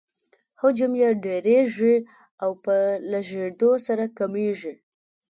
حجم یې ډیریږي او په لږیدو سره کمیږي.